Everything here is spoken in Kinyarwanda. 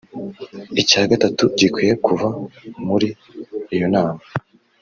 Icya gatatu gikwiye kuva muri iyo nama